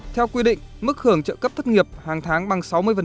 theo quy định mức hưởng trợ cấp thất nghiệp hàng tháng bằng sáu mươi